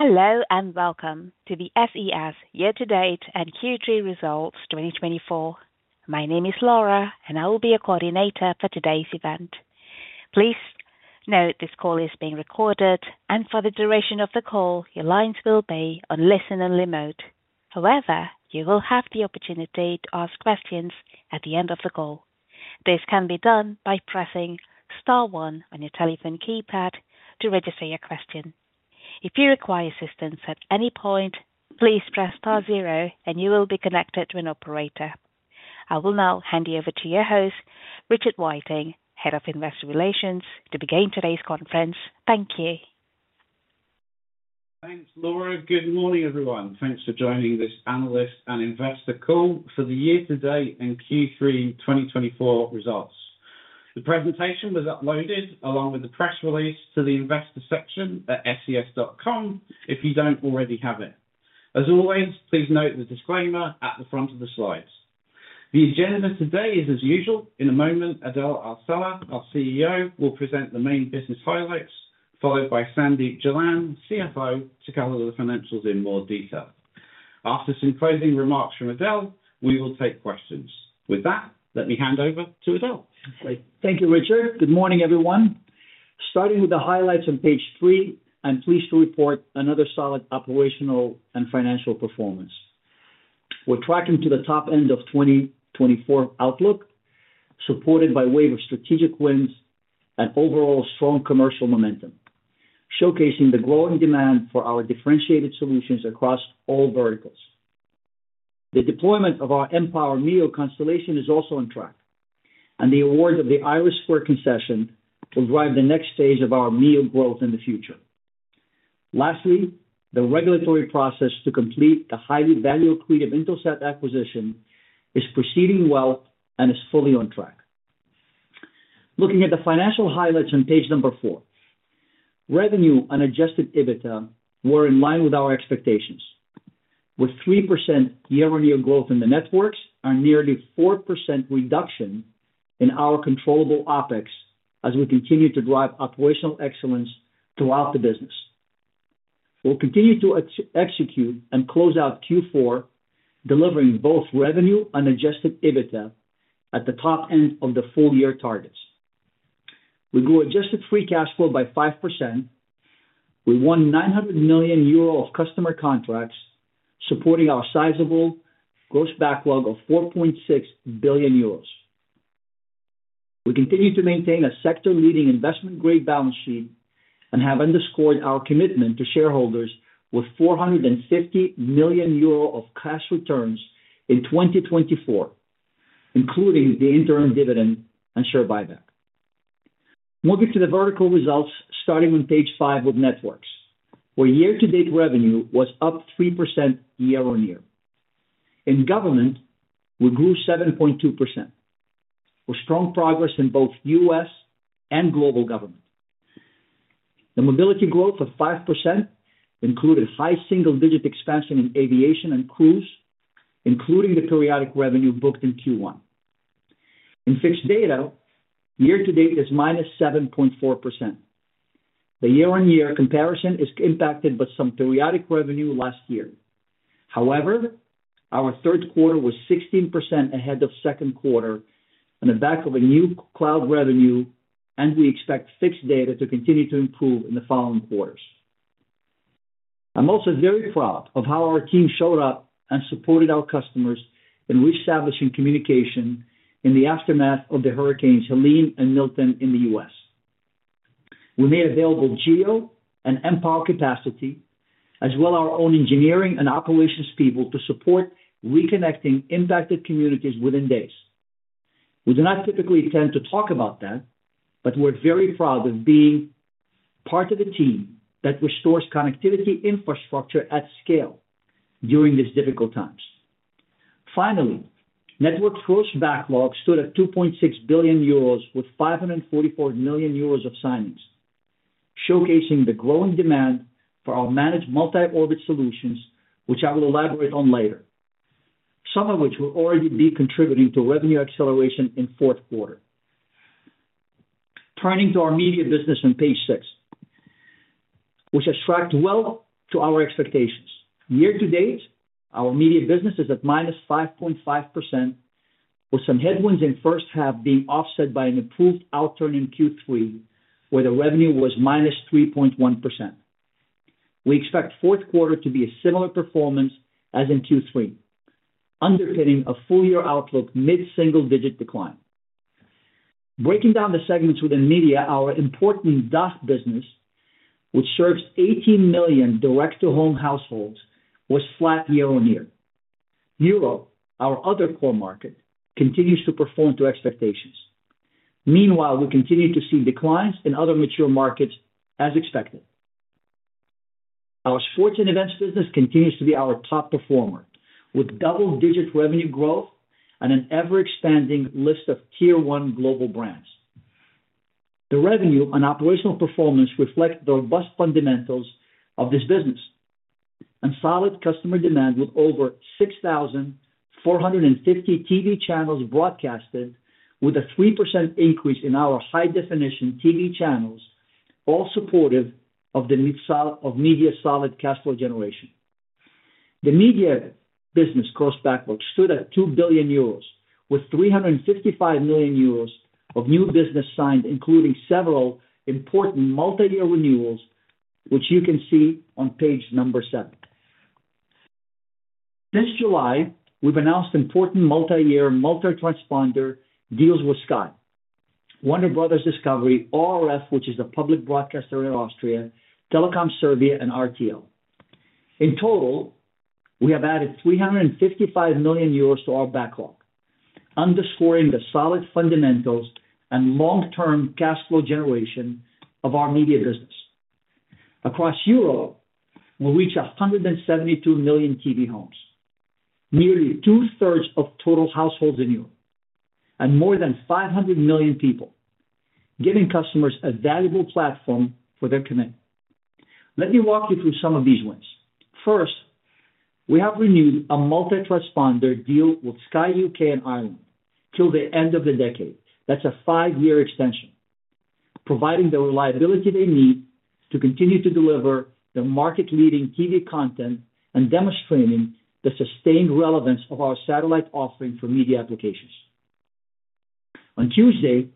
Hello and welcome to the SES Year-to-Date and Q3 Results 2024. My name is Laura, and I will be your coordinator for today's event. Please note this call is being recorded, and for the duration of the call, your lines will be on listen-only mode. However, you will have the opportunity to ask questions at the end of the call. This can be done by pressing star one on your telephone keypad to register your question. If you require assistance at any point, please press star zero, and you will be connected to an operator. I will now hand you over to your host, Richard Whiteing, Head of Investor Relations, to begin today's conference. Thank you. Thanks, Laura. Good morning, everyone. Thanks for joining this analyst and investor call for the year-to-date and Q3 2024 results. The presentation was uploaded along with the press release to the investor section at ses.com if you don't already have it. As always, please note the disclaimer at the front of the slides. The agenda today is, as usual, in a moment Adel Al-Saleh, our CEO, will present the main business highlights, followed by Sandeep Jalan, CFO, to cover the financials in more detail. After some closing remarks from Adel, we will take questions. With that, let me hand over to Adel. Thank you, Richard. Good morning, everyone. Starting with the highlights on page three, I'm pleased to report another solid operational and financial performance. We're tracking to the top end of 2024 outlook, supported by a wave of strategic wins and overall strong commercial momentum, showcasing the growing demand for our differentiated solutions across all verticals. The deployment of our mPOWER MEO constellation is also on track, and the award of the IRIS² concession will drive the next stage of our MEO growth in the future. Lastly, the regulatory process to complete the highly valuable Intelsat acquisition is proceeding well and is fully on track. Looking at the financial highlights on page number four, revenue and adjusted EBITDA were in line with our expectations, with 3% year-on-year growth in the networks and a nearly 4% reduction in our controllable OPEX as we continue to drive operational excellence throughout the business. We'll continue to execute and close out Q4, delivering both revenue and adjusted EBITDA at the top end of the full-year targets. We grew adjusted free cash flow by 5%. We won 900 million euro of customer contracts, supporting our sizable gross backlog of 4.6 billion euros. We continue to maintain a sector-leading investment-grade balance sheet and have underscored our commitment to shareholders with 450 million euro of cash returns in 2024, including the interim dividend and share buyback. Moving to the vertical results, starting on page five with networks, where year-to-date revenue was up 3% year-on-year. In government, we grew 7.2%, with strong progress in both U.S. and global government. The mobility growth of 5% included high single-digit expansion in aviation and cruise, including the periodic revenue booked in Q1. In fixed data, year-to-date is -7.4%. The year-on-year comparison is impacted by some periodic revenue last year. However, our third quarter was 16% ahead of second quarter on the back of a new cloud revenue, and we expect fixed data to continue to improve in the following quarters. I'm also very proud of how our team showed up and supported our customers in re-establishing communication in the aftermath of the hurricanes Helene and Milton in the U.S. We made available GEO and mPOWER capacity, as well as our own engineering and operations people to support reconnecting impacted communities within days. We do not typically tend to talk about that, but we're very proud of being part of the team that restores connectivity infrastructure at scale during these difficult times. Finally, network gross backlog stood at 2.6 billion euros, with 544 million euros of signings, showcasing the growing demand for our managed multi-orbit solutions, which I will elaborate on later, some of which will already be contributing to revenue acceleration in fourth quarter. Turning to our media business on page six, which has tracked well to our expectations. Year-to-date, our media business is at minus 5.5%, with some headwinds in first half being offset by an improved outturn in Q3, where the revenue was minus 3.1%. We expect fourth quarter to be a similar performance as in Q3, underpinning a full-year outlook mid-single-digit decline. Breaking down the segments within media, our important DACH business, which serves 18 million direct-to-home households, was flat year-on-year. Europe, our other core market, continues to perform to expectations. Meanwhile, we continue to see declines in other mature markets, as expected. Our sports and events business continues to be our top performer, with double-digit revenue growth and an ever-expanding list of tier-one global brands. The revenue and operational performance reflect the robust fundamentals of this business and solid customer demand, with over 6,450 TV channels broadcasted, with a 3% increase in our high-definition TV channels, all supportive of the media solid cash flow generation. The media business gross backlog stood at 2 billion euros, with 355 million euros of new business signed, including several important multi-year renewals, which you can see on page number seven. This July, we've announced important multi-year multi-transponder deals with Sky, Warner Bros. Discovery, ORF, which is the public broadcaster in Austria, Telekom Srbija, and RTL. In total, we have added 355 million euros to our backlog, underscoring the solid fundamentals and long-term cash flow generation of our media business. Across Europe, we'll reach 172 million TV homes, nearly two-thirds of total households in Europe, and more than 500 million people, giving customers a valuable platform for their commitment. Let me walk you through some of these wins. First, we have renewed a multi-transponder deal with Sky U.K. and Ireland till the end of the decade. That's a five-year extension, providing the reliability they need to continue to deliver the market-leading TV content and demonstrating the sustained relevance of our satellite offering for media applications. On Tuesday,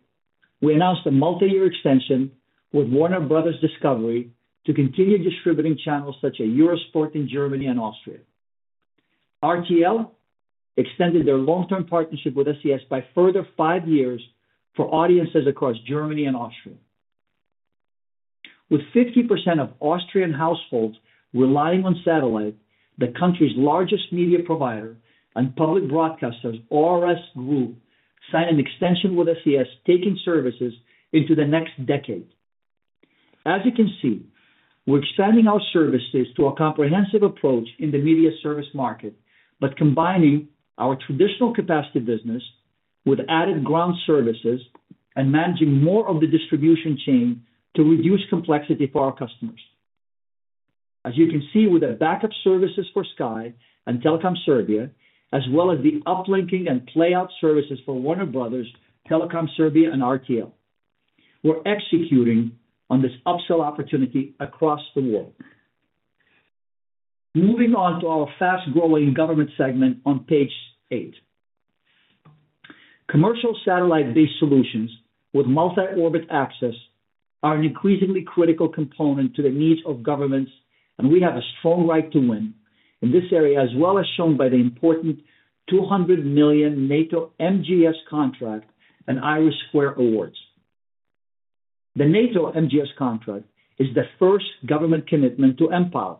we announced a multi-year extension with Warner Bros. Discovery to continue distributing channels such as Eurosport in Germany and Austria. RTL extended their long-term partnership with SES by further five years for audiences across Germany and Austria. With 50% of Austrian households relying on satellite, the country's largest media provider and public broadcaster, ORS Group, signed an extension with SES, taking services into the next decade. As you can see, we're expanding our services to a comprehensive approach in the media service market, but combining our traditional capacity business with added ground services and managing more of the distribution chain to reduce complexity for our customers. As you can see, with the backup services for Sky and Telekom Srbija, as well as the uplinking and playout services for Warner Bros., Telekom Srbija, and RTL, we're executing on this upsell opportunity across the world. Moving on to our fast-growing government segment on page eight, commercial satellite-based solutions with multi-orbit access are an increasingly critical component to the needs of governments, and we have a strong right to win in this area, as is shown by the important 200 million NATO MGS contract and IRIS² awards. The NATO MGS contract is the first government commitment to mPOWER,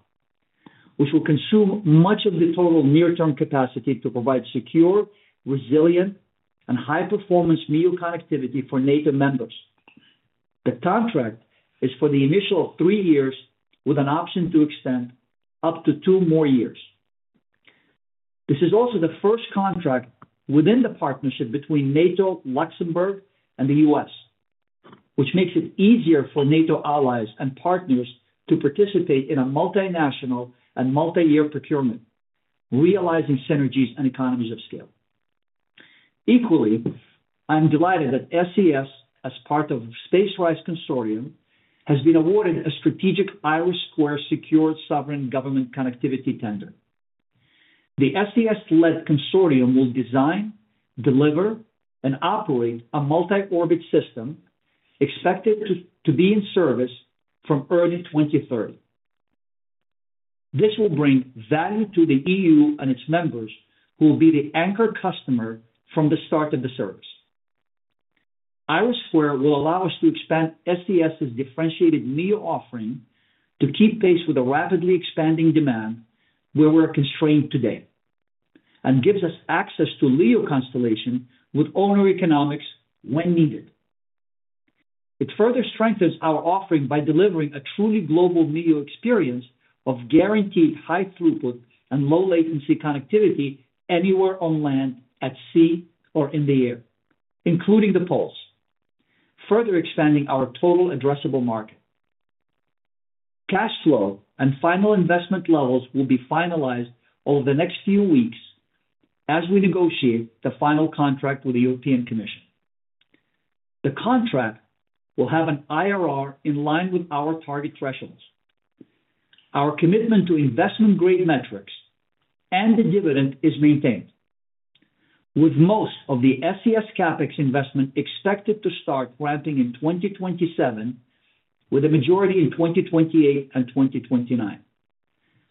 which will consume much of the total near-term capacity to provide secure, resilient, and high-performance MEO connectivity for NATO members. The contract is for the initial three years, with an option to extend up to two more years. This is also the first contract within the partnership between NATO, Luxembourg, and the U.S., which makes it easier for NATO allies and partners to participate in a multinational and multi-year procurement, realizing synergies and economies of scale. Equally, I'm delighted that SES, as part of SpaceRISE Consortium, has been awarded a strategic IRIS² Secure Sovereign Government Connectivity tender. The SES-led consortium will design, deliver, and operate a multi-orbit system expected to be in service from early 2030. This will bring value to the EU and its members, who will be the anchor customer from the start of the service. IRIS² will allow us to expand SES's differentiated MEO offering to keep pace with the rapidly expanding demand where we're constrained today and gives us access to LEO Constellation with owner economics when needed. It further strengthens our offering by delivering a truly global MEO experience of guaranteed high throughput and low-latency connectivity anywhere on land, at sea, or in the air, including the poles, further expanding our total addressable market. Cash flow and final investment levels will be finalized over the next few weeks as we negotiate the final contract with the European Commission. The contract will have an IRR in line with our target thresholds. Our commitment to investment-grade metrics and the dividend is maintained, with most of the SES CapEx investment expected to start ramping in 2027, with a majority in 2028 and 2029,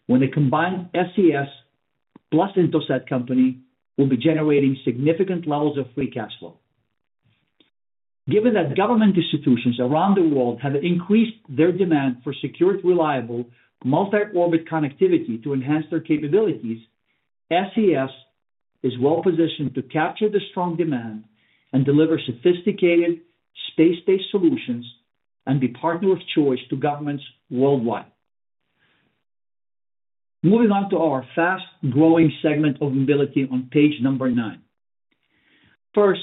when the combined SES plus Intelsat company will be generating significant levels of free cash flow. Given that government institutions around the world have increased their demand for secured, reliable multi-orbit connectivity to enhance their capabilities, SES is well-positioned to capture the strong demand and deliver sophisticated space-based solutions and be a partner of choice to governments worldwide. Moving on to our fast-growing segment of mobility on page number nine. First,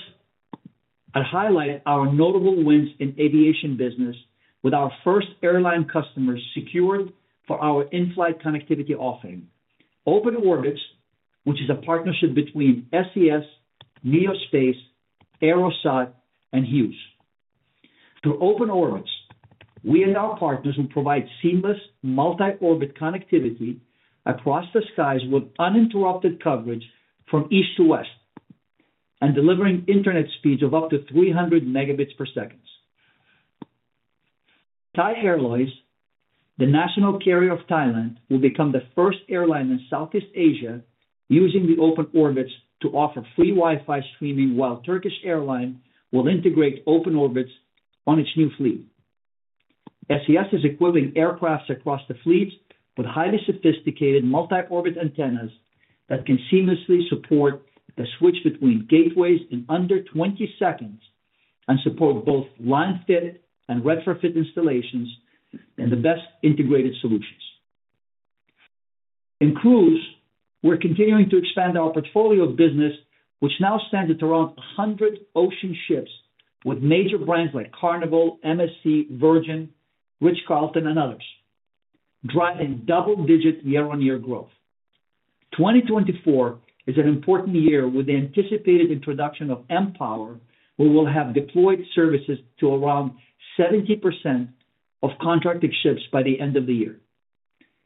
I'd highlight our notable wins in aviation business with our first airline customers secured for our in-flight connectivity offering, Open Orbits, which is a partnership between SES, Neo Space, AeroSat, and Hughes. Through Open Orbits, we and our partners will provide seamless multi-orbit connectivity across the skies with uninterrupted coverage from east to west and delivering internet speeds of up to 300 megabits per second. Thai Airways, the national carrier of Thailand, will become the first airline in Southeast Asia using the Open Orbits to offer free Wi-Fi streaming, while Turkish Airlines will integrate Open Orbits on its new fleet. SES is equipping aircraft across the fleet with highly sophisticated multi-orbit antennas that can seamlessly support the switch between gateways in under 20 seconds and support both line fit and retrofit installations and the best integrated solutions. In cruise, we're continuing to expand our portfolio of business, which now stands at around 100 ocean ships with major brands like Carnival, MSC, Virgin, Ritz-Carlton, and others, driving double-digit year-on-year growth. 2024 is an important year with the anticipated introduction of mPOWER, where we'll have deployed services to around 70% of contracted ships by the end of the year.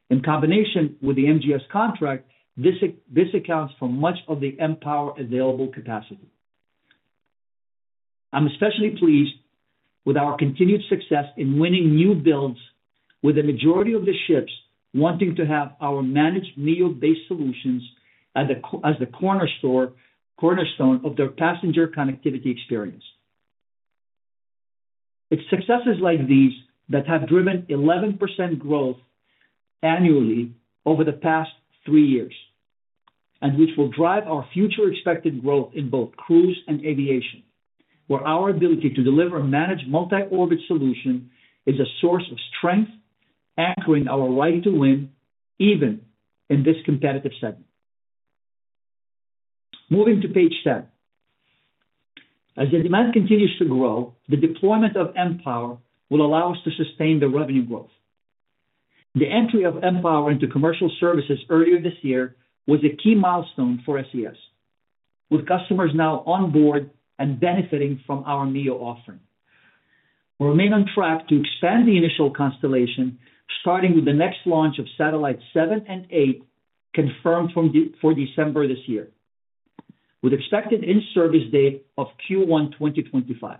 In combination with the MGS contract, this accounts for much of the mPOWER available capacity. I'm especially pleased with our continued success in winning new builds, with the majority of the ships wanting to have our managed MEO-based solutions as the cornerstone of their passenger connectivity experience. It's successes like these that have driven 11% growth annually over the past three years, and which will drive our future expected growth in both cruise and aviation, where our ability to deliver a managed multi-orbit solution is a source of strength, anchoring our right to win even in this competitive segment. Moving to page seven, as the demand continues to grow, the deployment of mPOWER will allow us to sustain the revenue growth. The entry of mPOWER into commercial services earlier this year was a key milestone for SES, with customers now on board and benefiting from our MEO offering. We'll remain on track to expand the initial constellation, starting with the next launch of satellites seven and eight confirmed for December this year, with the expected in-service date of Q1 2025,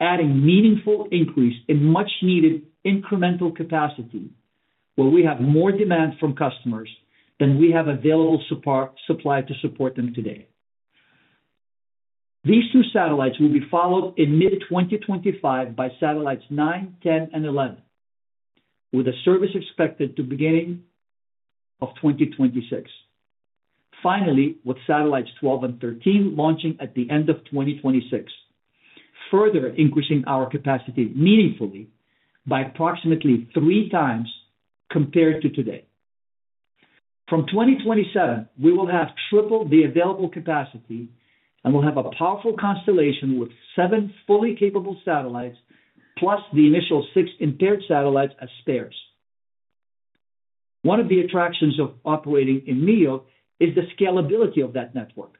adding a meaningful increase in much-needed incremental capacity, where we have more demand from customers than we have available supply to support them today. These two satellites will be followed in mid-2025 by satellites nine, 10, and 11, with the service expected to the beginning of 2026. Finally, with satellites 12 and 13 launching at the end of 2026, further increasing our capacity meaningfully by approximately 3x compared to today. From 2027, we will have tripled the available capacity, and we'll have a powerful constellation with seven fully capable satellites, plus the initial six impaired satellites as spares. One of the attractions of operating in MEO is the scalability of that network,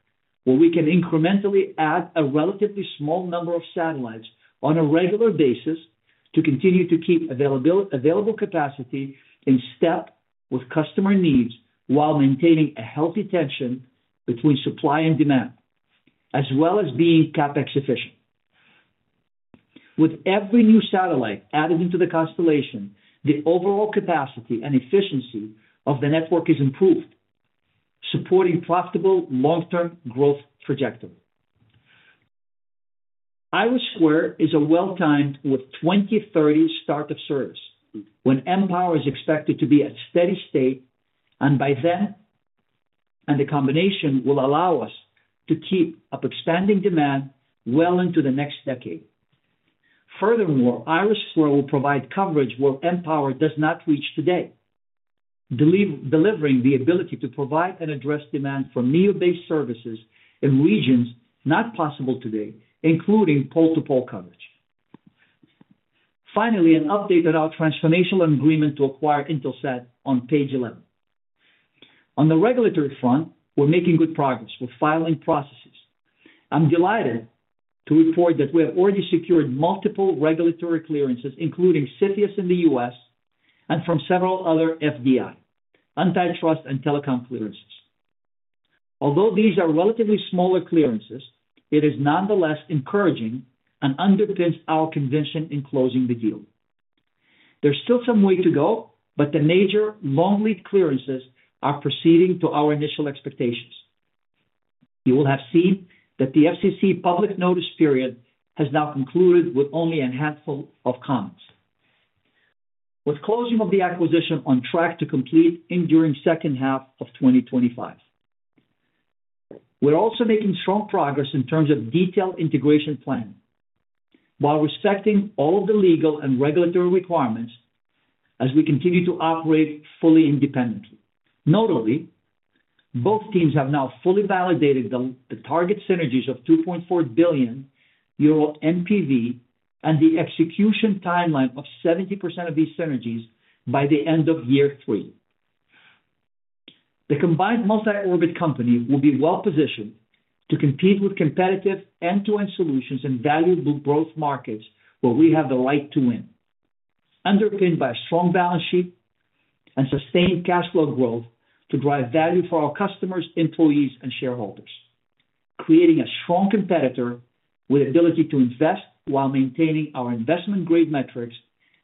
where we can incrementally add a relatively small number of satellites on a regular basis to continue to keep available capacity in step with customer needs while maintaining a healthy tension between supply and demand, as well as being CapEx efficient. With every new satellite added into the constellation, the overall capacity and efficiency of the network is improved, supporting profitable long-term growth trajectory. IRIS² is well-timed with 2030 start of service, when mPOWER is expected to be at steady state, and by then, the combination will allow us to keep up expanding demand well into the next decade. Furthermore, IRIS² will provide coverage where mPOWER does not reach today, delivering the ability to provide and address demand for MEO-based services in regions not possible today, including pole-to-pole coverage. Finally, an update on our transformational agreement to acquire Intelsat on page eleven. On the regulatory front, we're making good progress with filing processes. I'm delighted to report that we have already secured multiple regulatory clearances, including CFIUS in the U.S. and from several other FDI, antitrust, and telecom clearances. Although these are relatively smaller clearances, it is nonetheless encouraging and underpins our confidence in closing the deal. There's still some way to go, but the major long-lead clearances are exceeding our initial expectations. You will have seen that the FCC public notice period has now concluded with only a handful of comments, with closing of the acquisition on track to complete during the second half of 2025. We're also making strong progress in terms of detailed integration planning, while respecting all of the legal and regulatory requirements as we continue to operate fully independently. Notably, both teams have now fully validated the target synergies of 2.4 billion euro NPV and the execution timeline of 70% of these synergies by the end of year three. The combined multi-orbit company will be well-positioned to compete with competitive end-to-end solutions in valuable growth markets where we have the right to win, underpinned by a strong balance sheet and sustained cash flow growth to drive value for our customers, employees, and shareholders, creating a strong competitor with the ability to invest while maintaining our investment-grade metrics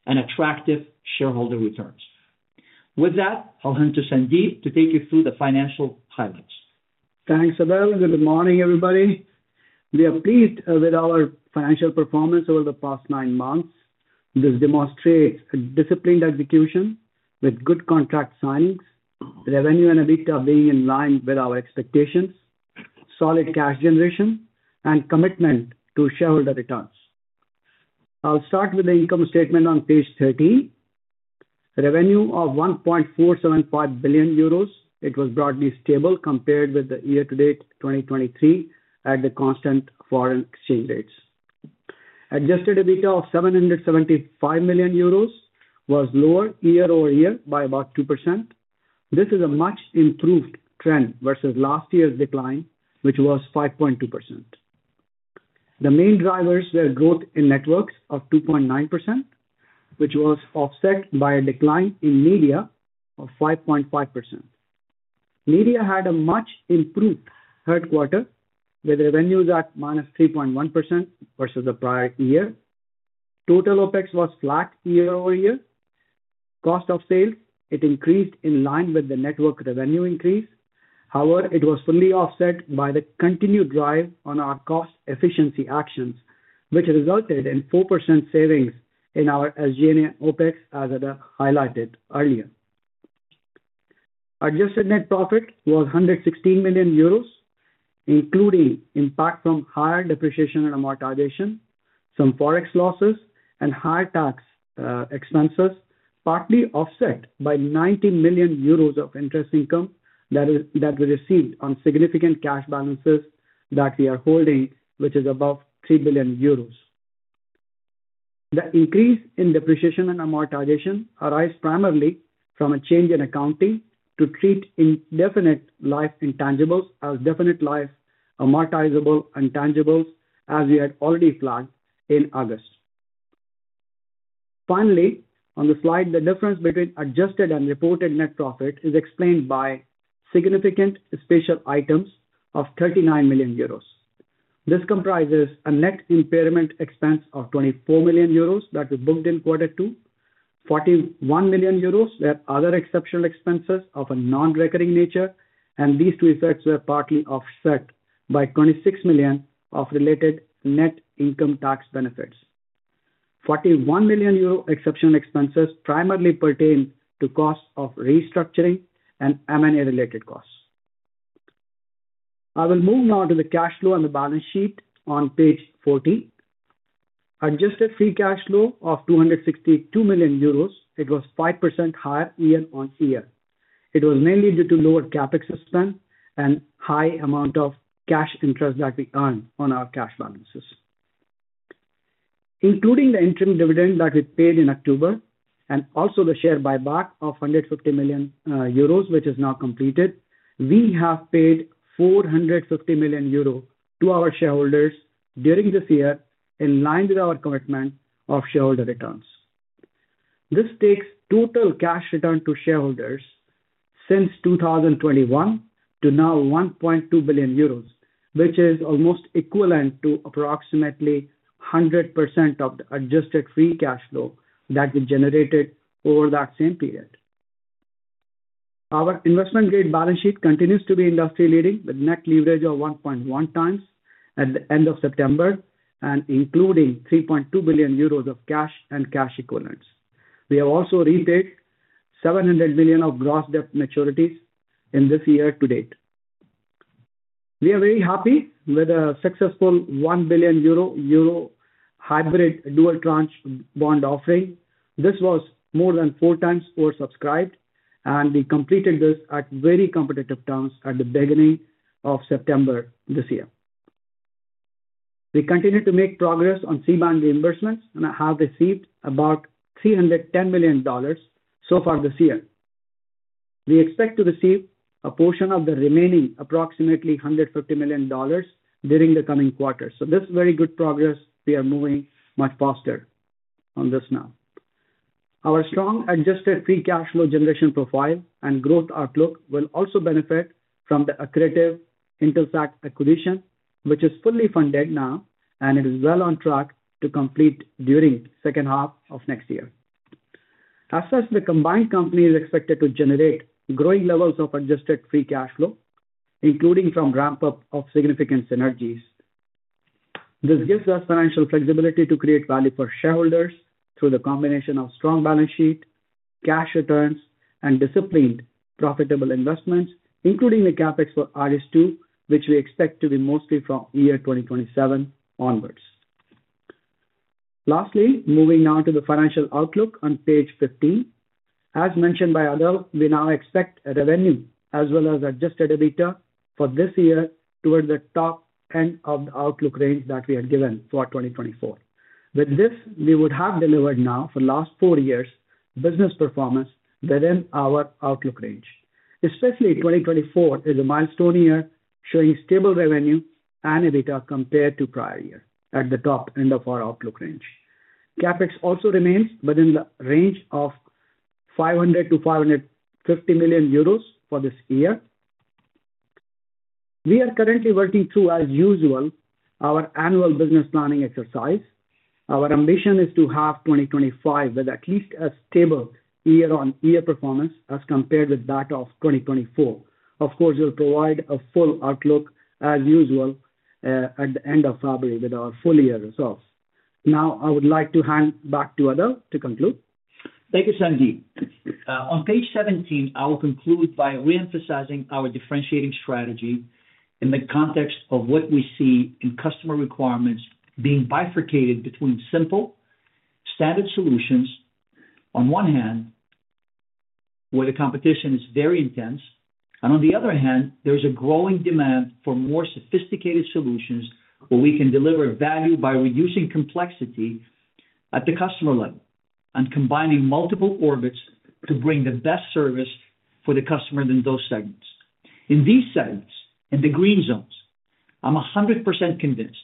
and attractive shareholder returns. With that, I'll hand to Sandeep to take you through the financial highlights. Thanks, Adel. Good morning, everybody. We are pleased with our financial performance over the past nine months. This demonstrates a disciplined execution with good contract signings, revenue and EBITDA being in line with our expectations, solid cash generation, and commitment to shareholder returns. I'll start with the income statement on page 13. Revenue of 1.475 billion euros. It was broadly stable compared with the year-to-date 2023 at the constant foreign exchange rates. Adjusted EBITDA of 775 million euros was lower year-over-year by about 2%. This is a much-improved trend versus last year's decline, which was 5.2%. The main drivers were growth in networks of 2.9%, which was offset by a decline in media of 5.5%. Media had a much-improved headwind with revenues at minus 3.1% versus the prior year. Total OPEX was flat year-over-year. Cost of sales, it increased in line with the network revenue increase. However, it was fully offset by the continued drive on our cost efficiency actions, which resulted in 4% savings in our SG&A OPEX, as Adel highlighted earlier. Adjusted net profit was 116 million euros, including impact from higher depreciation and amortization, some forex losses, and higher tax expenses, partly offset by 90 million euros of interest income that we received on significant cash balances that we are holding, which is above 3 billion euros. The increase in depreciation and amortization arises primarily from a change in accounting to treat indefinite life intangibles as definite life amortizable intangibles, as we had already flagged in August. Finally, on the slide, the difference between adjusted and reported net profit is explained by significant special items of 39 million euros. This comprises a net impairment expense of 24 million euros that was booked in quarter two, 41 million euros were other exceptional expenses of a non-recurring nature, and these two effects were partly offset by 26 million of related net income tax benefits. 41 million euro exceptional expenses primarily pertain to costs of restructuring and M&A-related costs. I will move now to the cash flow and the balance sheet on page 14. Adjusted free cash flow of 262 million euros. It was 5% higher year-on-year. It was mainly due to lower CapEx expense and high amount of cash interest that we earned on our cash balances, including the interim dividend that we paid in October and also the share buyback of 150 million euros, which is now completed. We have paid 450 million euro to our shareholders during this year in line with our commitment of shareholder returns. This takes total cash return to shareholders since 2021 to now 1.2 billion euros, which is almost equivalent to approximately 100% of the adjusted free cash flow that we generated over that same period. Our investment-grade balance sheet continues to be industry-leading with net leverage of 1.1x at the end of September and including 3.2 billion euros of cash and cash equivalents. We have also retired 700 million of gross debt maturities in this year-to-date. We are very happy with a successful 1 billion euro hybrid dual tranche bond offering. This was more than 4x oversubscribed, and we completed this at very competitive terms at the beginning of September this year. We continue to make progress on C-band reimbursements, and I have received about $310 million so far this year. We expect to receive a portion of the remaining approximately $150 million during the coming quarter. So this is very good progress. We are moving much faster on this now. Our strong adjusted free cash flow generation profile and growth outlook will also benefit from the accretive Intelsat acquisition, which is fully funded now, and it is well on track to complete during the second half of next year. As such, the combined company is expected to generate growing levels of adjusted free cash flow, including from ramp-up of significant synergies. This gives us financial flexibility to create value for shareholders through the combination of strong balance sheet, cash returns, and disciplined profitable investments, including the CapEx for IRIS², which we expect to be mostly from year 2027 onwards. Lastly, moving now to the financial outlook on page 15. As mentioned by Adel, we now expect revenue as well as adjusted EBITDA for this year toward the top end of the outlook range that we had given for 2024. With this, we would have delivered now for the last four years business performance within our outlook range. Especially, 2024 is a milestone year showing stable revenue and EBITDA compared to prior year at the top end of our outlook range. CapEx also remains within the range of 500-550 million euros for this year. We are currently working through, as usual, our annual business planning exercise. Our ambition is to have 2025 with at least a stable year-on-year performance as compared with that of 2024. Of course, we'll provide a full outlook as usual at the end of February with our full year results. Now, I would like to hand back to Adel to conclude. Thank you, Sandeep. On page 17, I will conclude by reemphasizing our differentiating strategy in the context of what we see in customer requirements being bifurcated between simple standard solutions. On one hand, where the competition is very intense, and on the other hand, there's a growing demand for more sophisticated solutions where we can deliver value by reducing complexity at the customer level and combining multiple orbits to bring the best service for the customer in those segments. In these segments, in the green zones, I'm 100% convinced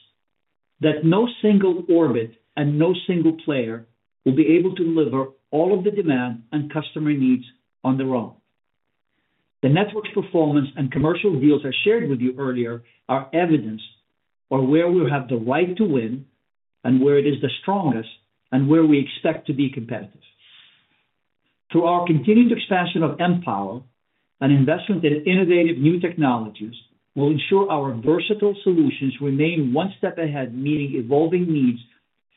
that no single orbit and no single player will be able to deliver all of the demand and customer needs on their own. The network's performance and commercial deals I shared with you earlier are evidence of where we have the right to win and where it is the strongest and where we expect to be competitive. Through our continued expansion of mPOWER and investment in innovative new technologies, we'll ensure our versatile solutions remain one step ahead, meeting evolving needs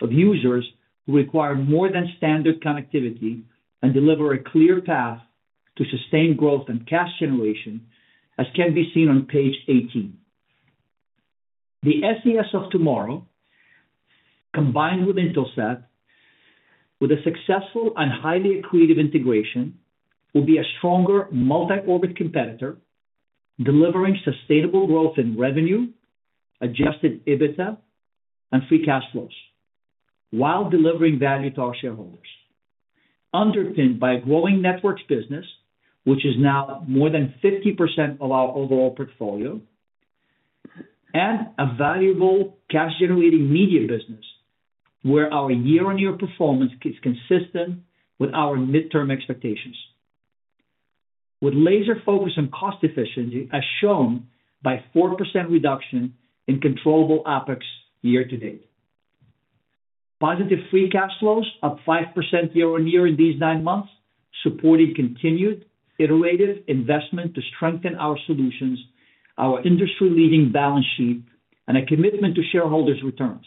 of users who require more than standard connectivity and deliver a clear path to sustained growth and cash generation, as can be seen on page 18. The SES of tomorrow, combined with Intelsat, with a successful and highly accretive integration, will be a stronger multi-orbit competitor, delivering sustainable growth in revenue, adjusted EBITDA, and free cash flows while delivering value to our shareholders, underpinned by a growing network business, which is now more than 50% of our overall portfolio, and a valuable cash-generating media business where our year-on-year performance is consistent with our midterm expectations, with laser focus on cost efficiency as shown by 4% reduction in controllable OPEX year-to-date. Positive free cash flows of 5% year-on-year in these nine months supported continued iterative investment to strengthen our solutions, our industry-leading balance sheet, and a commitment to shareholders' returns,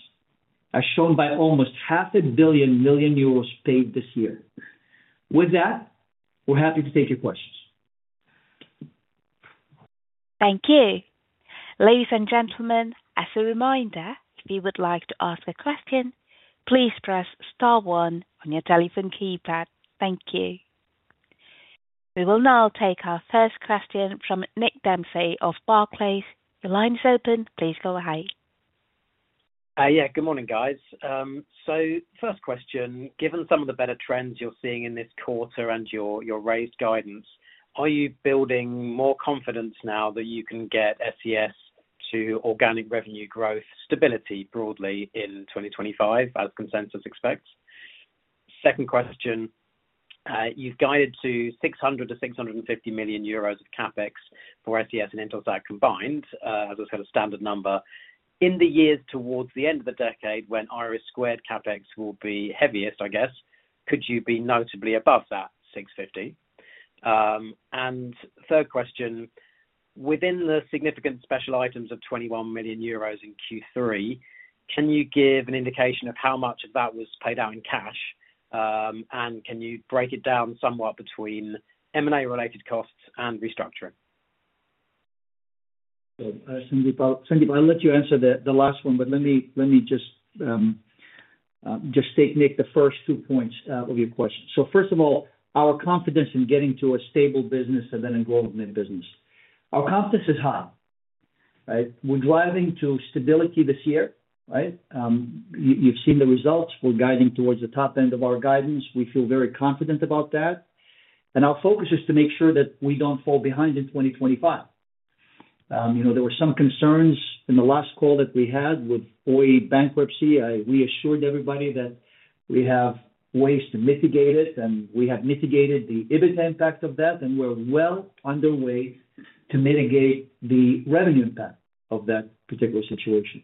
as shown by almost 500 million euros paid this year. With that, we're happy to take your questions. Thank you. Ladies and gentlemen, as a reminder, if you would like to ask a question, please press star one on your telephone keypad. Thank you. We will now take our first question from Nick Dempsey of Barclays. Your line is open. Please go ahead. Yeah, good morning, guys. So first question, given some of the better trends you're seeing in this quarter and your raised guidance, are you building more confidence now that you can get SES to organic revenue growth stability broadly in 2025, as consensus expects? Second question, you've guided to 600-650 million euros of CapEx for SES and Intelsat combined, as I said, a standard number. In the years towards the end of the decade when IRIS² CapEx will be heaviest, I guess, could you be notably above that 650? And third question, within the significant special items of 21 million euros in Q3, can you give an indication of how much of that was paid out in cash, and can you break it down somewhat between M&A-related costs and restructuring? Sandeep, I'll let you answer the last one, but let me just take Nick, the first two points of your question. So first of all, our confidence in getting to a stable business and then a growth in business. Our confidence is high. We're driving to stability this year. You've seen the results. We're guiding towards the top end of our guidance. We feel very confident about that. And our focus is to make sure that we don't fall behind in 2025. There were some concerns in the last call that we had with Oi bankruptcy. I reassured everybody that we have ways to mitigate it, and we have mitigated the EBITDA impact of that, and we're well underway to mitigate the revenue impact of that particular situation.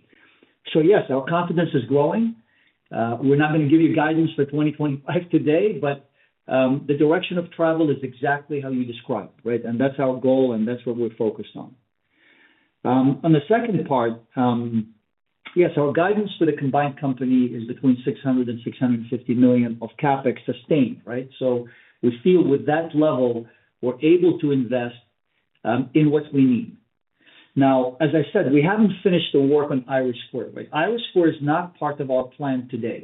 So yes, our confidence is growing. We're not going to give you guidance for 2025 today, but the direction of travel is exactly how you described, and that's our goal, and that's what we're focused on. On the second part, yes, our guidance for the combined company is between 600-650 million of CapEx sustained. So we feel with that level, we're able to invest in what we need. Now, as I said, we haven't finished the work on IRIS². IRIS² is not part of our plan today.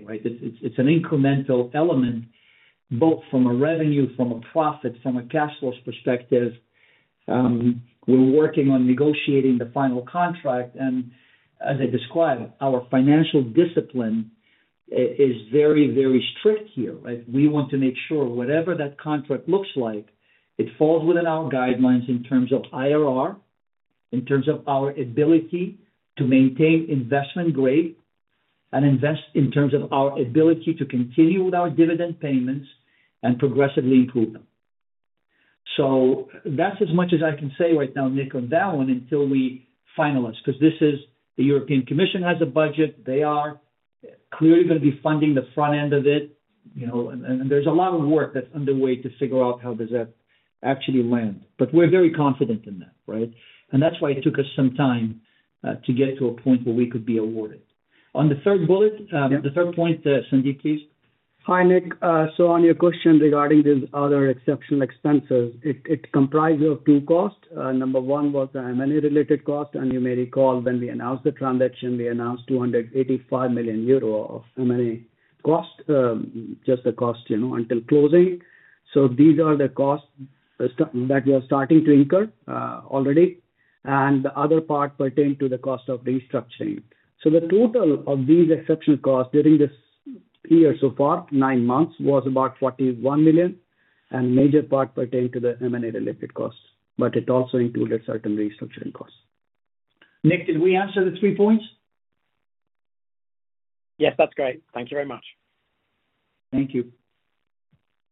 It's an incremental element, both from a revenue, from a profit, from a cash flows perspective. We're working on negotiating the final contract. And as I described, our financial discipline is very, very strict here. We want to make sure whatever that contract looks like, it falls within our guidelines in terms of IRR, in terms of our ability to maintain investment grade, and in terms of our ability to continue with our dividend payments and progressively improve them. So that's as much as I can say right now, Nick, on that one until we finalize because the European Commission has a budget. They are clearly going to be funding the front end of it. There's a lot of work that's underway to figure out how does that actually land. We're very confident in that. That's why it took us some time to get to a point where we could be awarded. On the third bullet, the third point, Sandeep, please. Hi, Nick. On your question regarding these other exceptional expenses, it comprised of two costs. Number one was the M&A-related cost. You may recall when we announced the transaction, we announced 285 million euro of M&A cost, just the cost until closing. These are the costs that we are starting to incur already. The other part pertained to the cost of restructuring. The total of these exceptional costs during this year so far, nine months, was about 41 million. A major part pertained to the M&A-related costs, but it also included certain restructuring costs. Nick, did we answer the three points? Yes, that's great. Thank you very much. Thank you.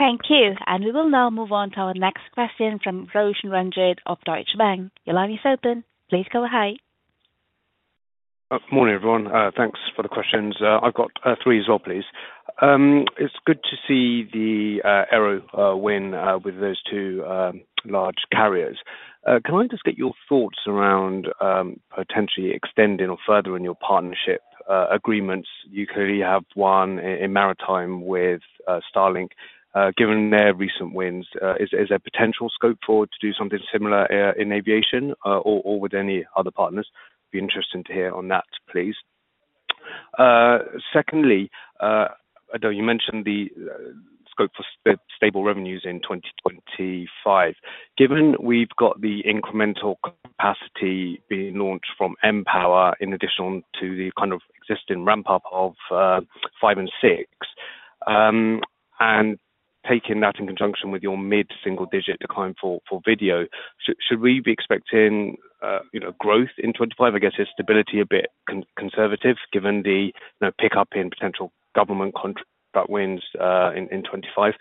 Thank you. We will now move on to our next question from Roshan Ranjit of Deutsche Bank. Your line is open. Please go ahead. Good morning, everyone. Thanks for the questions. I've got three as well, please. It's good to see our win with those two large carriers. Can I just get your thoughts around potentially extending or furthering your partnership agreements? You clearly have one in maritime with Starlink. Given their recent wins, is there potential scope forward to do something similar in aviation or with any other partners? It'd be interesting to hear on that, please. Secondly, I know you mentioned the scope for stable revenues in 2025. Given we've got the incremental capacity being launched from mPOWER in addition to the kind of existing ramp-up of five and six, and taking that in conjunction with your mid-single-digit decline for video, should we be expecting growth in 2025? I guess stability a bit conservative given the pickup in potential government contracts that wins in 2025.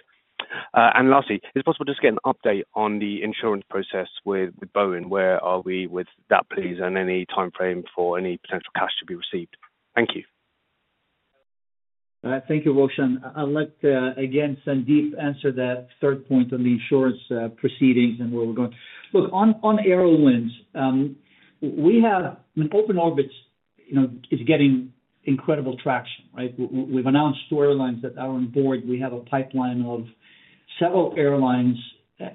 And lastly, is it possible to just get an update on the insurance process with Boeing? Where are we with that, please, and any timeframe for any potential cash to be received? Thank you. Thank you, Roshan. I'd like, again, Sandeep, to answer that third point on the insurance proceedings and where we're going. Look, on aero wins, we have Open Orbits is getting incredible traction. We've announced to airlines that are on board. We have a pipeline of several airlines.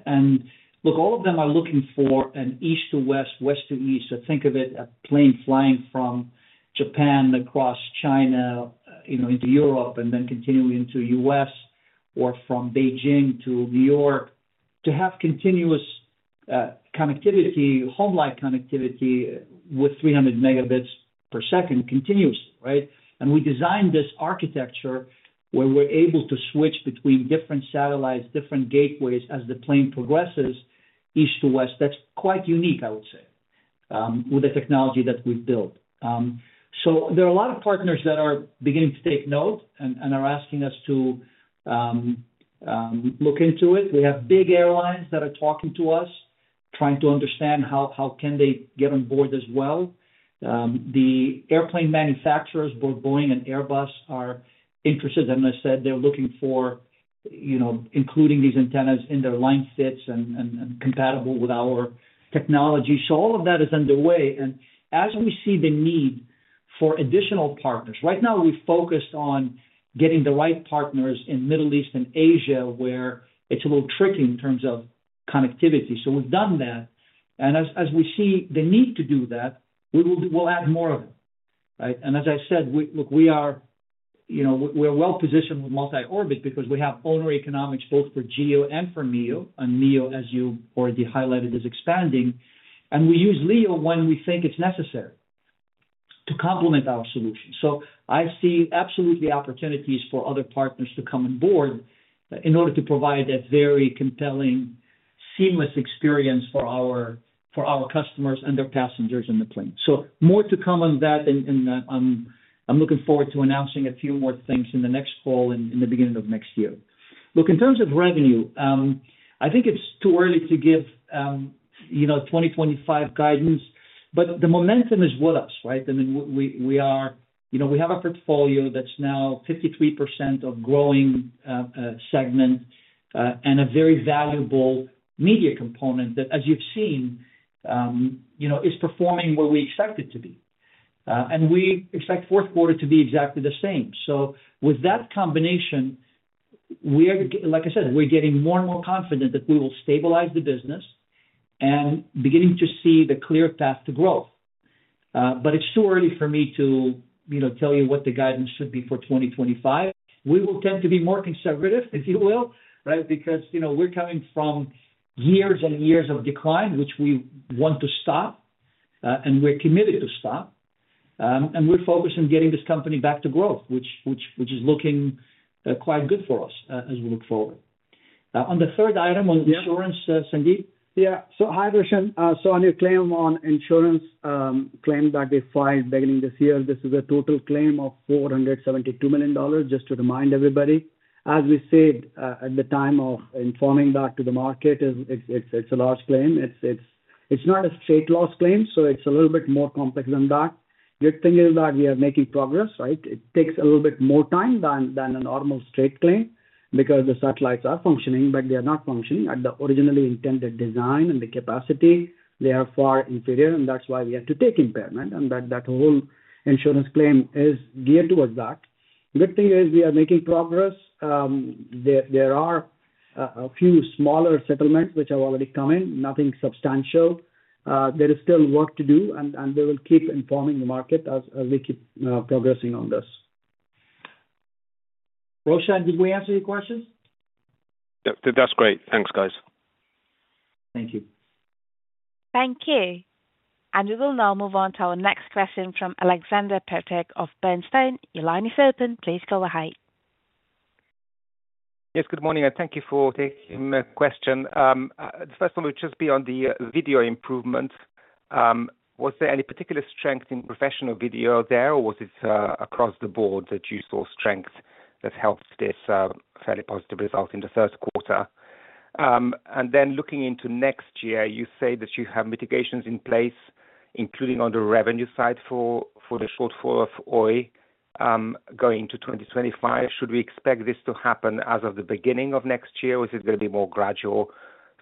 And look, all of them are looking for an east-to-west, west-to-east. So think of it as a plane flying from Japan across China into Europe and then continuing into the U.S. or from Beijing to New York to have continuous connectivity, home-like connectivity with 300 megabits per second continuously. And we designed this architecture where we're able to switch between different satellites, different gateways as the plane progresses east to west. That's quite unique, I would say, with the technology that we've built. So there are a lot of partners that are beginning to take note and are asking us to look into it. We have big airlines that are talking to us, trying to understand how can they get on board as well. The airplane manufacturers, both Boeing and Airbus, are interested. And as I said, they're looking for including these antennas in their line fits and compatible with our technology. So all of that is underway. And as we see the need for additional partners, right now, we've focused on getting the right partners in the Middle East and Asia where it's a little tricky in terms of connectivity. So we've done that. And as we see the need to do that, we'll add more of it. And as I said, look, we are well positioned with multi-orbit because we have owner economics both for GEO and for Neo. And Neo, as you already highlighted, is expanding. And we use LEO when we think it's necessary to complement our solution. So I see absolutely opportunities for other partners to come on board in order to provide that very compelling, seamless experience for our customers and their passengers in the plane. So more to come on that. And I'm looking forward to announcing a few more things in the next call in the beginning of next year. Look, in terms of revenue, I think it's too early to give 2025 guidance, but the momentum is with us. I mean, we have a portfolio that's now 53% of growing segment and a very valuable media component that, as you've seen, is performing where we expect it to be, and we expect fourth quarter to be exactly the same, so with that combination, like I said, we're getting more and more confident that we will stabilize the business and beginning to see the clear path to growth, but it's too early for me to tell you what the guidance should be for 2025. We will tend to be more conservative, if you will, because we're coming from years and years of decline, which we want to stop, and we're committed to stop. And we're focused on getting this company back to growth, which is looking quite good for us as we look forward. On the third item on insurance, Sandeep? Yeah. So hi, Roshan. So on your claim on insurance claim that we filed beginning this year, this is a total claim of $472 million, just to remind everybody. As we said at the time of informing that to the market, it's a large claim. It's not a straight loss claim, so it's a little bit more complex than that. Good thing is that we are making progress. It takes a little bit more time than a normal straight claim because the satellites are functioning, but they are not functioning at the originally intended design and the capacity. They are far inferior, and that's why we have to take impairment. And that whole insurance claim is geared towards that. Good thing is we are making progress. There are a few smaller settlements which have already come in, nothing substantial. There is still work to do, and we will keep informing the market as we keep progressing on this. Roshan, did we answer your questions? Yep, that's great. Thanks, guys. Thank you. Thank you. And we will now move on to our next question from Aleksander Peterc of Bernstein. Your line is open. Please go ahead. Yes, good morning. And thank you for taking my question. The first one would just be on the video improvement. Was there any particular strength in professional video there, or was it across the board that you saw strength that helped this fairly positive result in the third quarter? Then looking into next year, you say that you have mitigations in place, including on the revenue side for the shortfall of O3b going into 2025. Should we expect this to happen as of the beginning of next year, or is it going to be more gradual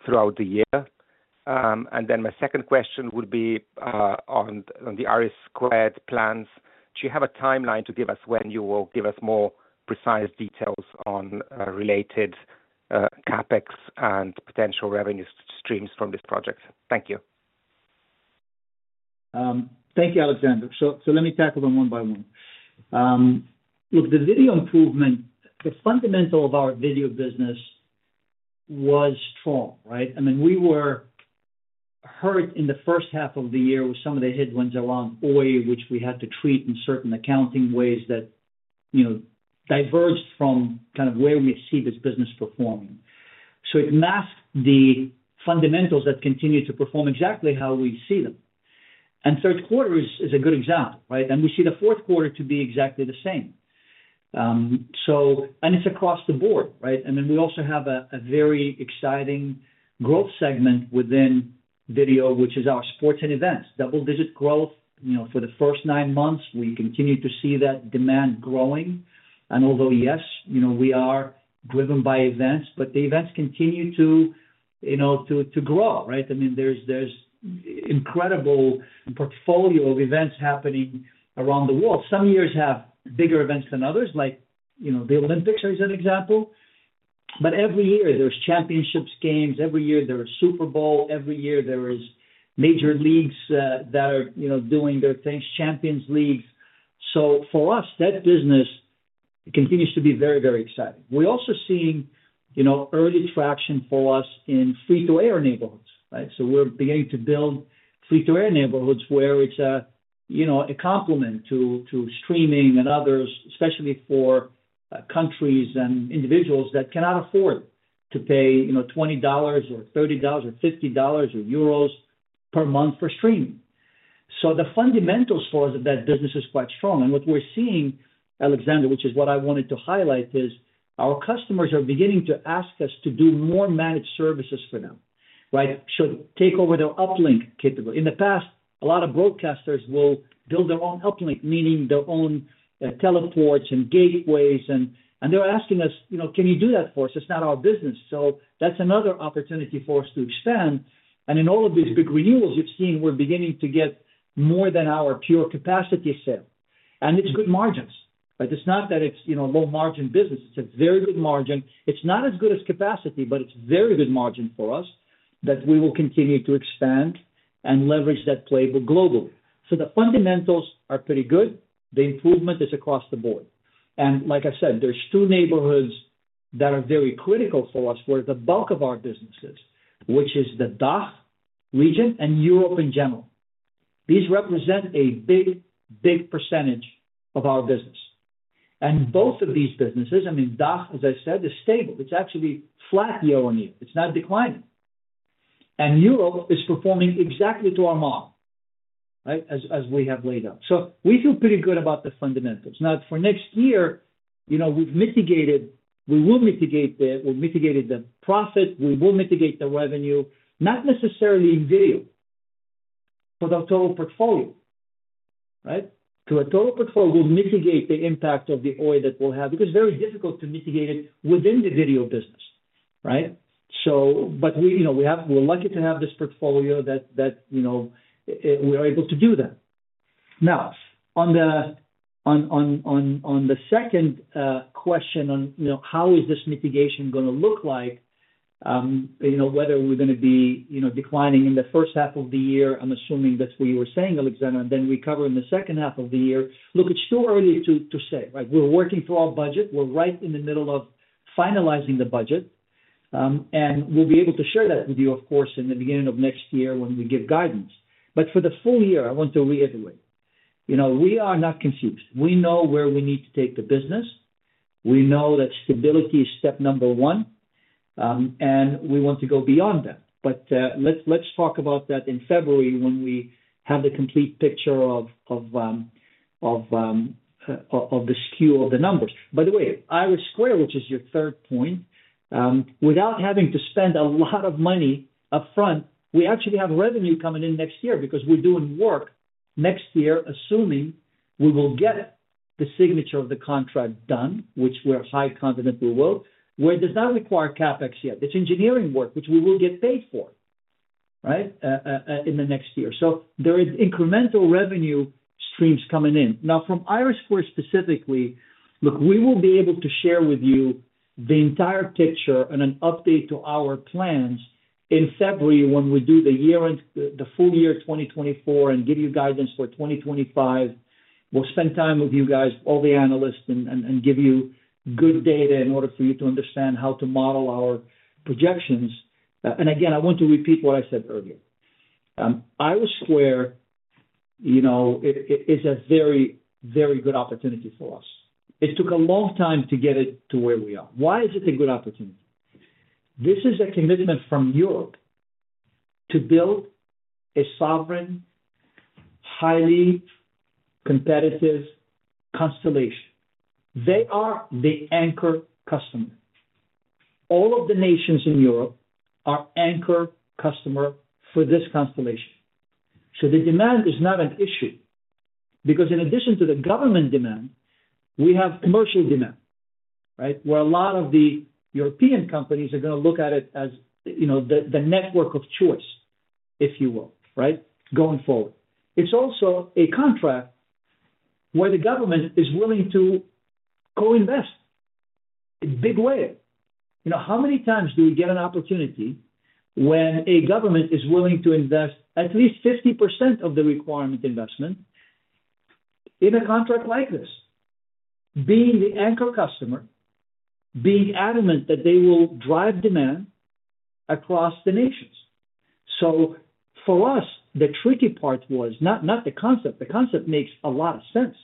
throughout the year? And then my second question would be on the IRIS² plans. Do you have a timeline to give us when you will give us more precise details on related CapEx and potential revenue streams from this project? Thank you. Thank you, Aleksander. Let me tackle them one by one. Look, the video improvement, the fundamental of our video business was strong.I mean, we were hurt in the first half of the year with some of the headwinds around Oi, which we had to treat in certain accounting ways that diverged from kind of where we see this business performing. So it masked the fundamentals that continue to perform exactly how we see them, and third quarter is a good example. We see the fourth quarter to be exactly the same, and it's across the board. I mean, we also have a very exciting growth segment within video, which is our sports and events. Double-digit growth for the first nine months. We continue to see that demand growing. Although, yes, we are driven by events, but the events continue to grow. I mean, there's an incredible portfolio of events happening around the world. Some years have bigger events than others, like the Olympics as an example. Every year, there's championships games. Every year, there's Super Bowl. Every year, there are major leagues that are doing their things, Champions Leagues. So for us, that business continues to be very, very exciting. We're also seeing early traction for us in free-to-air neighborhoods. So we're beginning to build free-to-air neighborhoods where it's a complement to streaming and others, especially for countries and individuals that cannot afford to pay $20 or $30 or $50 or EUR 20 or EUR 30 or 50 euros per month for streaming. So the fundamentals for us of that business is quite strong. And what we're seeing, Aleksander, which is what I wanted to highlight, is our customers are beginning to ask us to do more managed services for them. So take over their uplink capability. In the past, a lot of broadcasters will build their own uplink, meaning their own teleports and gateways. They're asking us, "Can you do that for us? It's not our business." That's another opportunity for us to expand. In all of these big renewals, you've seen we're beginning to get more than our pure capacity sale. It's good margins. It's not that it's a low-margin business. It's a very good margin. It's not as good as capacity, but it's a very good margin for us that we will continue to expand and leverage that playbook globally. The fundamentals are pretty good. The improvement is across the board. Like I said, there's two neighborhoods that are very critical for us where the bulk of our business is, which is the DACH region and Europe in general. These represent a big, big percentage of our business. Both of these businesses, I mean, DACH, as I said, is stable. It's actually flat year-on-year. It's not declining, and Europe is performing exactly to our model as we have laid out, so we feel pretty good about the fundamentals. Now, for next year, we will mitigate the profit. We will mitigate the revenue, not necessarily in video for the total portfolio. To a total portfolio, we'll mitigate the impact of the Oi that we'll have because it's very difficult to mitigate it within the video business, but we're lucky to have this portfolio that we're able to do that. Now, on the second question on how is this mitigation going to look like, whether we're going to be declining in the first half of the year, I'm assuming that's what you were saying, Aleksander, and then recover in the second half of the year, look, it's too early to say. We're working through our budget. We're right in the middle of finalizing the budget, and we'll be able to share that with you, of course, in the beginning of next year when we give guidance, but for the full year, I want to reiterate, we are not confused. We know where we need to take the business. We know that stability is step number one, and we want to go beyond that, but let's talk about that in February when we have the complete picture of the skew of the numbers. By the way, IRIS², which is your third point, without having to spend a lot of money upfront, we actually have revenue coming in next year because we're doing work next year, assuming we will get the signature of the contract done, which we're highly confident we will, where it does not require CapEx yet. It's engineering work, which we will get paid for in the next year. So there are incremental revenue streams coming in. Now, from IRIS² specifically, look, we will be able to share with you the entire picture and an update to our plans in February when we do the full year 2024 and give you guidance for 2025. We'll spend time with you guys, all the analysts, and give you good data in order for you to understand how to model our projections. And again, I want to repeat what I said earlier. IRIS² is a very, very good opportunity for us. It took a long time to get it to where we are. Why is it a good opportunity? This is a commitment from Europe to build a sovereign, highly competitive constellation. They are the anchor customer. All of the nations in Europe are anchor customers for this constellation. So the demand is not an issue because, in addition to the government demand, we have commercial demand where a lot of the European companies are going to look at it as the network of choice, if you will, going forward. It's also a contract where the government is willing to co-invest a big way. How many times do we get an opportunity when a government is willing to invest at least 50% of the requirement investment in a contract like this, being the anchor customer, being adamant that they will drive demand across the nations? So for us, the tricky part was not the concept. The concept makes a lot of sense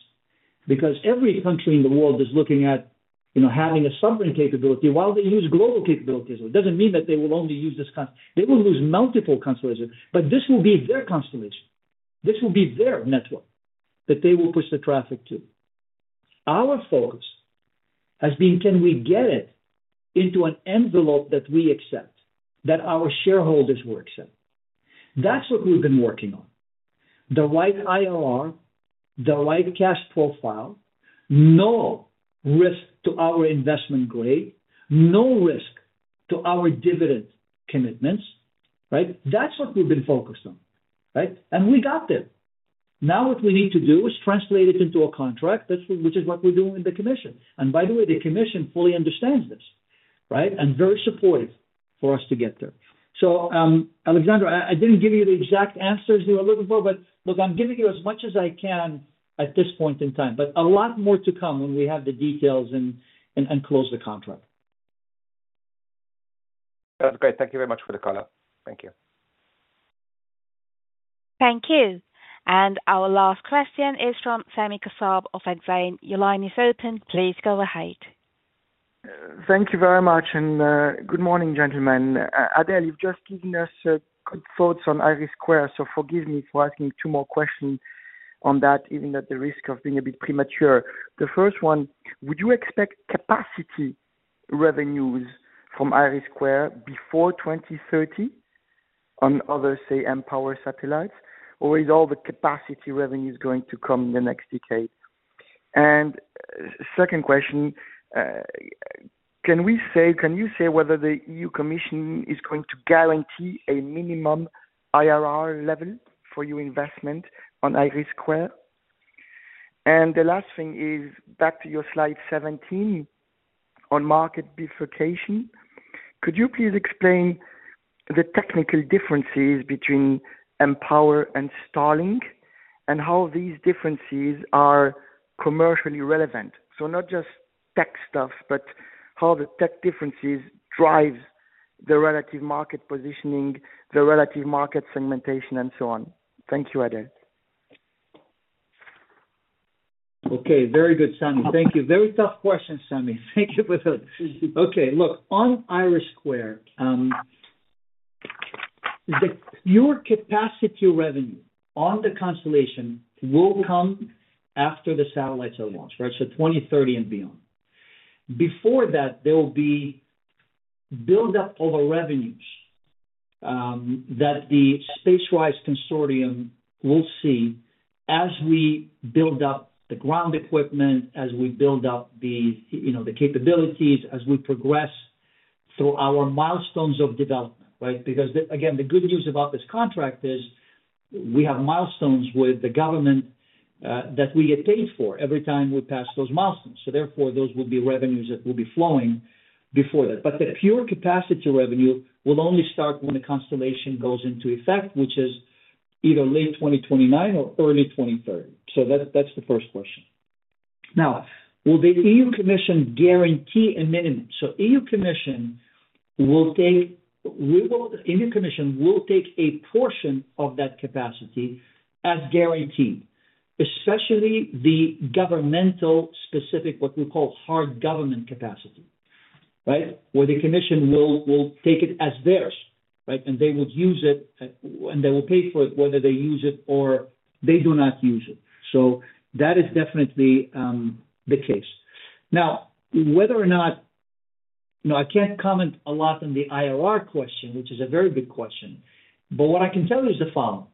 because every country in the world is looking at having a sovereign capability while they use global capabilities. It doesn't mean that they will only use this concept. They will use multiple constellations, but this will be their constellation. This will be their network that they will push the traffic to. Our focus has been, can we get it into an envelope that we accept, that our shareholders will accept? That's what we've been working on. The right IRR, the right cash profile, no risk to our investment grade, no risk to our dividend commitments. That's what we've been focused on. And we got there. Now, what we need to do is translate it into a contract, which is what we're doing with the commission. And by the way, the commission fully understands this and is very supportive for us to get there. So, Aleksander, I didn't give you the exact answers you were looking for, but look, I'm giving you as much as I can at this point in time, but a lot more to come when we have the details and close the contract. That's great. Thank you very much for the call. Thank you. Thank you. And our last question is from Sami Kassab of Exane. Your line is open. Please go ahead. Thank you very much. And good morning, gentlemen. Adel, you've just given us good thoughts on IRIS², so forgive me for asking two more questions on that, even at the risk of being a bit premature. The first one, would you expect capacity revenues from IRIS² before 2030 on other, say, M-Power satellites, or is all the capacity revenues going to come in the next decade? Second question, can you say whether the European Commission is going to guarantee a minimum IRR level for your investment on IRIS²? The last thing is back to your slide 17 on market bifurcation. Could you please explain the technical differences between mPOWER and Starlink and how these differences are commercially relevant? So not just tech stuff, but how the tech differences drive the relative market positioning, the relative market segmentation, and so on. Thank you, Adel. Okay. Very good, Sami. Thank you. Very tough question, Sami. Thank you for that. Okay. Look, on IRIS², your capacity revenue on the constellation will come after the satellites are launched, so 2030 and beyond. Before that, there will be build-up of revenues that the SpaceRISE Consortium will see as we build up the ground equipment, as we build up the capabilities, as we progress through our milestones of development. Because, again, the good news about this contract is we have milestones with the government that we get paid for every time we pass those milestones. So therefore, those will be revenues that will be flowing before that. But the pure capacity revenue will only start when the constellation goes into effect, which is either late 2029 or early 2030. So that's the first question. Now, will the EU Commission guarantee a minimum? The European Commission will take a portion of that capacity as guaranteed, especially the governmental-specific, what we call hard government capacity, where the commission will take it as theirs, and they will use it, and they will pay for it whether they use it or they do not use it. That is definitely the case. Now, whether or not I can't comment a lot on the IRR question, which is a very big question, but what I can tell you is the following.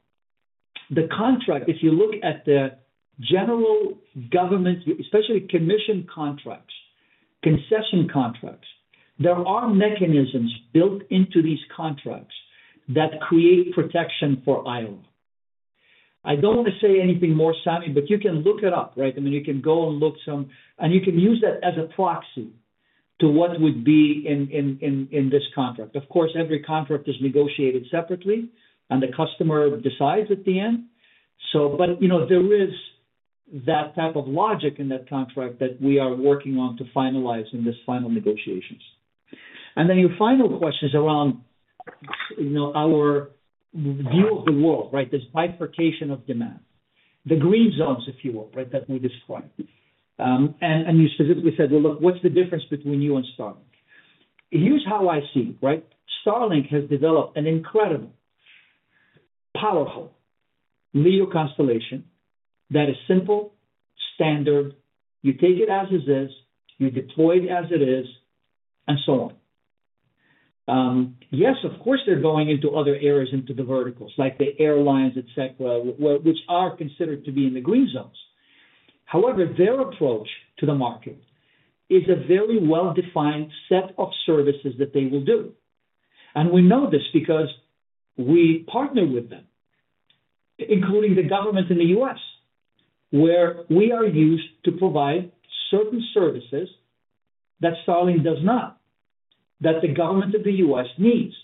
The contract, if you look at the general government, especially commission contracts, concession contracts, there are mechanisms built into these contracts that create protection for us. I don't want to say anything more, Sami, but you can look it up. I mean, you can go and look at some, and you can use that as a proxy to what would be in this contract. Of course, every contract is negotiated separately, and the customer decides at the end. But there is that type of logic in that contract that we are working on to finalize in these final negotiations. And then your final question is around our view of the world, this bifurcation of demand, the green zones, if you will, that we describe. And you specifically said, "Well, look, what's the difference between you and Starlink?" Here's how I see it. Starlink has developed an incredible, powerful LEO constellation that is simple, standard. You take it as it is. You deploy it as it is, and so on. Yes, of course, they're going into other areas, into the verticals, like the airlines, etc., which are considered to be in the green zones. However, their approach to the market is a very well-defined set of services that they will do. And we know this because we partner with them, including the government in the U.S., where we are used to provide certain services that Starlink does not, that the government of the U.S. needs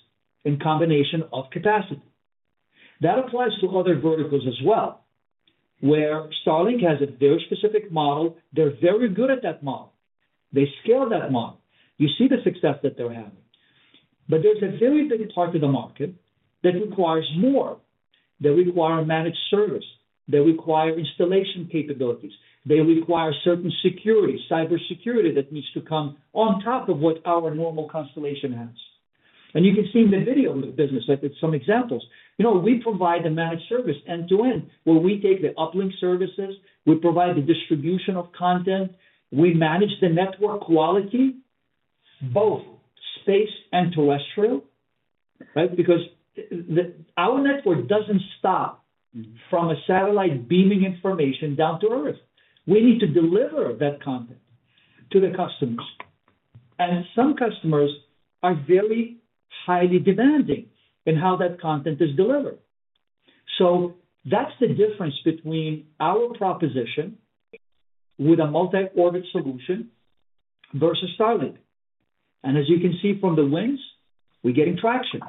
in combination of capacity. That applies to other verticals as well, where Starlink has a very specific model. They're very good at that model. They scale that model. You see the success that they're having. But there's a very big part of the market that requires more. They require managed service. They require installation capabilities. They require certain security, cybersecurity that needs to come on top of what our normal constellation has. And you can see in the video business, some examples. We provide the managed service end-to-end where we take the uplink services. We provide the distribution of content. We manage the network quality, both space and terrestrial, because our network doesn't stop from a satellite beaming information down to Earth. We need to deliver that content to the customers, and some customers are very highly demanding in how that content is delivered. So that's the difference between our proposition with a multi-orbit solution versus Starlink, and as you can see from the wins, we're getting traction,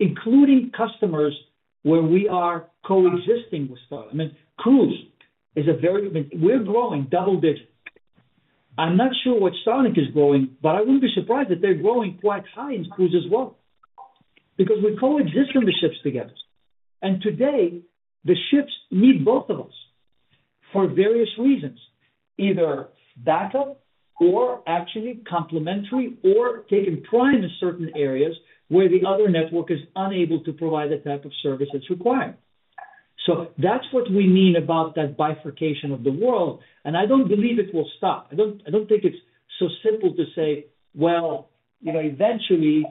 including customers where we are coexisting with Starlink. I mean, cruise is a very, we're growing double digits. I'm not sure what Starlink is growing, but I wouldn't be surprised if they're growing quite high in cruise as well because we coexist on the ships together, and today, the ships need both of us for various reasons, either backup or actually complementary or taking pride in certain areas where the other network is unable to provide the type of service that's required. So that's what we mean about that bifurcation of the world. And I don't believe it will stop. I don't think it's so simple to say, "Well, eventually,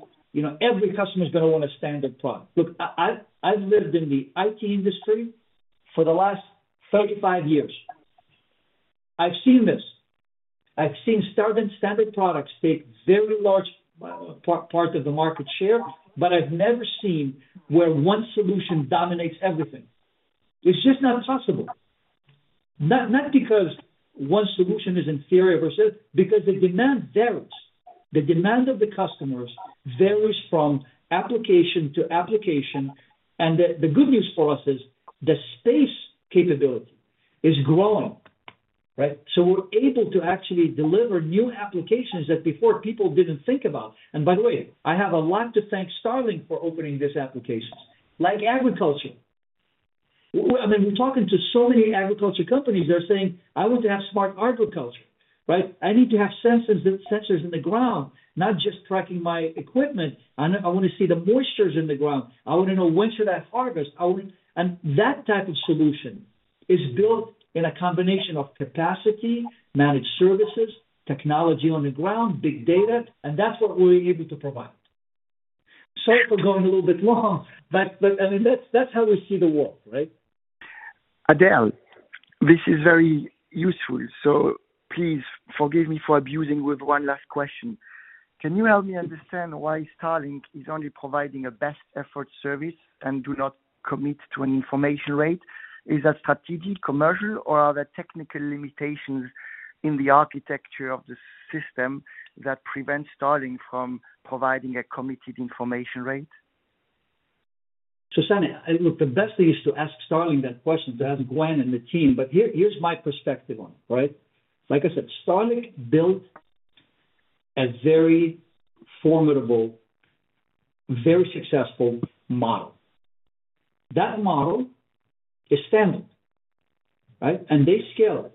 every customer is going to want a standard product." Look, I've lived in the IT industry for the last 35 years. I've seen this. I've seen starting standard products take very large parts of the market share, but I've never seen where one solution dominates everything. It's just not possible. Not because one solution is inferior versus it, because the demand varies. The demand of the customers varies from application to application. And the good news for us is the space capability is growing. So we're able to actually deliver new applications that before people didn't think about. And by the way, I have a lot to thank Starlink for opening these applications, like agriculture. I mean, we're talking to so many agriculture companies. They're saying, "I want to have smart agriculture. I need to have sensors in the ground, not just tracking my equipment. I want to see the moistures in the ground. I want to know when should I harvest?" And that type of solution is built in a combination of capacity, managed services, technology on the ground, big data. And that's what we're able to provide. Sorry for going a little bit long, but I mean, that's how we see the world, right? Adel, this is very useful. So please forgive me for abusing with one last question. Can you help me understand why Starlink is only providing a best-effort service and does not commit to an information rate? Is that strategic, commercial, or are there technical limitations in the architecture of the system that prevent Starlink from providing a committed information rate? So, Sami, look, the best thing is to ask Starlink that question, to ask Gwynne and the team. But here's my perspective on it. Like I said, Starlink built a very formidable, very successful model. That model is standard, and they scale it.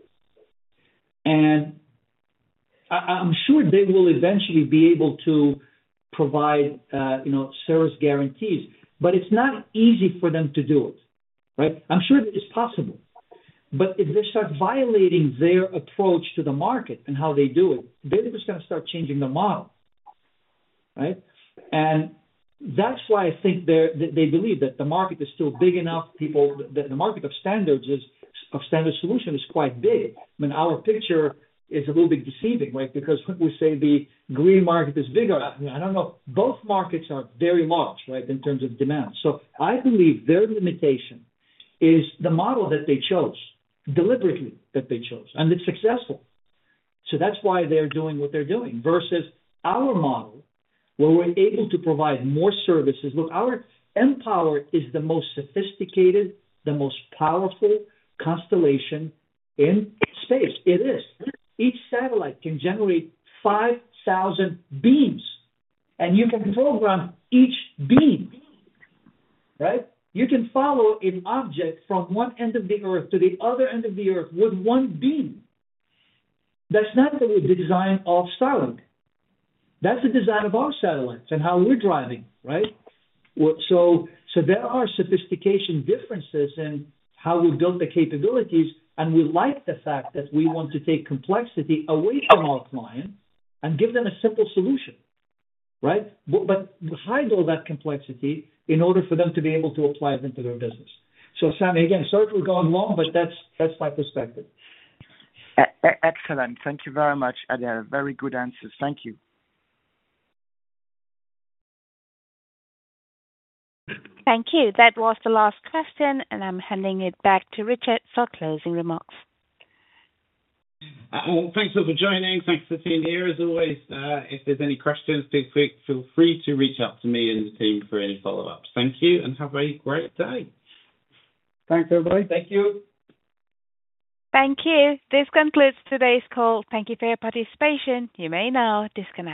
And I'm sure they will eventually be able to provide service guarantees, but it's not easy for them to do it. I'm sure it's possible. But if they start violating their approach to the market and how they do it, they're just going to start changing the model. And that's why I think they believe that the market is still big enough, that the market of standard solutions is quite big. I mean, our picture is a little bit deceiving because we say the green market is bigger. I don't know. Both markets are very large in terms of demand. So I believe their limitation is the model that they chose, deliberately that they chose, and it's successful. So that's why they're doing what they're doing versus our model where we're able to provide more services. Look, our mPOWER is the most sophisticated, the most powerful constellation in space. It is. Each satellite can generate 5,000 beams, and you can program each beam. You can follow an object from one end of the Earth to the other end of the Earth with one beam. That's not the design of Starlink. That's the design of our satellites and how we're driving. So there are sophistication differences in how we've built the capabilities, and we like the fact that we want to take complexity away from our client and give them a simple solution, but hide all that complexity in order for them to be able to apply it into their business. So Sami, again, sorry for going long, but that's my perspective. Excellent. Thank you very much, Adel. Very good answers. Thank you. Thank you. That was the last question, and I'm handing it back to Richard for closing remarks. Thanks for joining. Thanks for being here. As always, if there's any questions, feel free to reach out to me and the team for any follow-ups. Thank you, and have a great day. Thanks, everybody. Thank you. Thank you. This concludes today's call. Thank you for your participation. You may now disconnect.